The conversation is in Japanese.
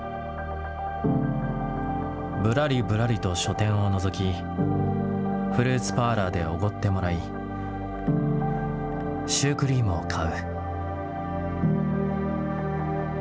ぶらりぶらりと書店を覗き、フルーツパーラーで奢ってもらい、シュークリームを買う。